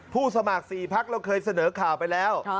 สมัคร๔พักเราเคยเสนอข่าวไปแล้ว